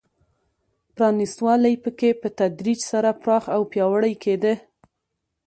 پرانېست والی په کې په تدریج سره پراخ او پیاوړی کېده.